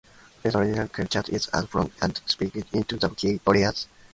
This organizational chart is as follows and separated into three key areas.